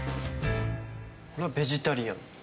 これはベジタリアン。